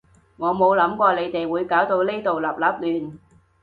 我冇諗過你哋會搞到呢度笠笠亂